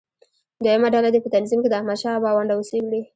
دویمه ډله دې په تنظیم کې د احمدشاه بابا ونډه وڅېړي.